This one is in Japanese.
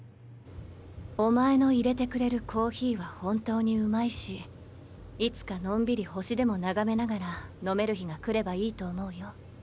「お前のいれてくれるコーヒーは本当にうまいしいつかのんびり星でも眺めながら飲める日が来ればいいと思うよ」。